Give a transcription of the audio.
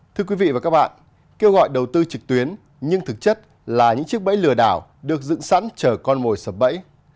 thưa quý vị và các bạn kêu gọi đầu tư trực tuyến nhưng thực chất là những chiếc bẫy lừa đảo được dựng sẵn chở con mồi sập bẫy